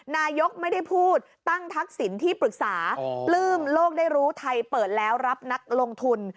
นายกไม่ได้พูดตั้งทักษิณที่ปรึกษาปลื้มโลกได้รู้ไทยเปิดแล้วรับนักลงทุน